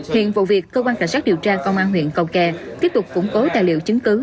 hiện vụ việc cơ quan cảnh sát điều tra công an huyện cầu kè tiếp tục củng cố tài liệu chứng cứ